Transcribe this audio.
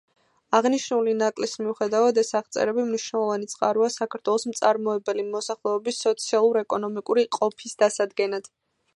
აღნიშნული ნაკლის მიუხედავად ეს აღწერები მნიშვნელოვანი წყაროა საქართველოს მწარმოებელი მოსახლეობის სოციალურ-ეკონომიკური ყოფის დასადგენად.